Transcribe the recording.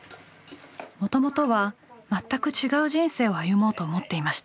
もともとは全く違う人生を歩もうと思っていました。